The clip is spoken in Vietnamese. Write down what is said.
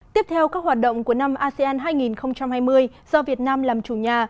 tiếp theo các hoạt động của năm asean hai nghìn hai mươi do việt nam làm chủ nhà